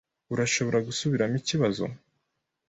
Urashobora gusubiramo ikibazo?